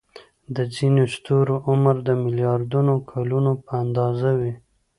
د ځینو ستورو عمر د ملیاردونو کلونو په اندازه وي.